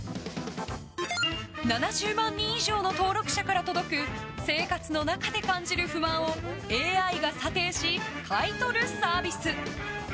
７０万人以上の登録者から届く生活の中で感じる不満をＡＩが査定し、買い取るサービス。